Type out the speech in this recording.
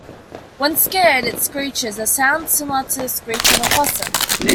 When scared, it screeches - a sound similar to the screech of a possum.